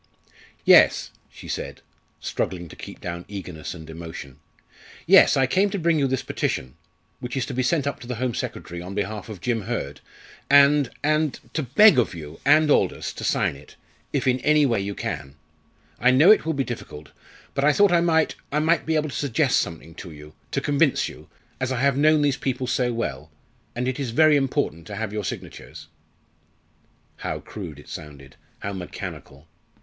"Yes," she said, struggling to keep down eagerness and emotion. "Yes, I came to bring you this petition, which is to be sent up to the Home Secretary on behalf of Jim Hurd, and and to beg of you and Aldous to sign it, if in any way you can. I know it will be difficult, but I thought I might I might be able to suggest something to you to convince you as I have known these people so well and it is very important to have your signatures." How crude it sounded how mechanical!